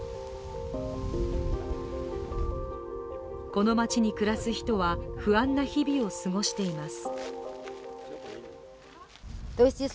この町に暮らす人は不安な日々を過ごしています。